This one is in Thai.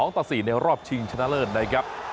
ต่อ๔ในรอบชิงชนะเลิศนะครับ